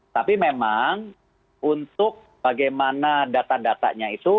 tapi memang untuk bagaimana data datanya itu